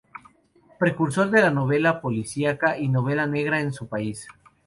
Precursor de la novela policíaca y novela negra en su país.